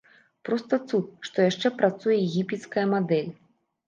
Проста цуд, што яшчэ працуе егіпецкая мадэль.